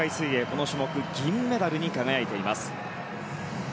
この種目、銀メダルに輝いています。